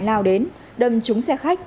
lao đến đâm trúng xe khách